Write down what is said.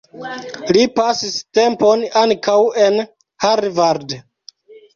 Li pasis tempon ankaŭ en Harvard.